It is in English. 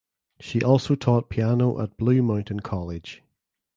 She also taught piano at Blue Mountain College.